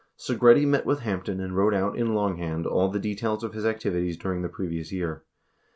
84 Segretti met with Hampton and wrote out in longhand all the details of his activities during the previous year.